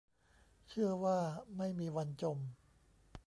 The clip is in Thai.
เชื่อว่าไม่มีวันจม